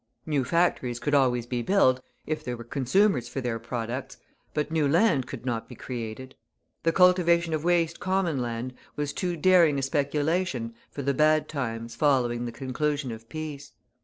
New factories could always be built, if there were consumers for their products, but new land could not be created. The cultivation of waste common land was too daring a speculation for the bad times following the conclusion of peace.